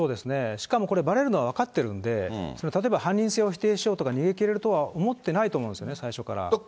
しかもこれ、ばれるのは分かってるんで、例えば、犯人性を否定しようとか、逃げきれるとは思ってないと思いますよね、最初から。